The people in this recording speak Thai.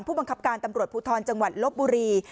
ผู้บังคับการตำรวจภูทรจังหวัดลบบุรี